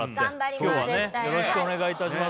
今日はよろしくお願いいたします